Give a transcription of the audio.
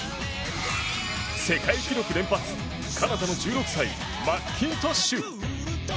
世界記録連発、カナダの１６歳マッキントッシュ。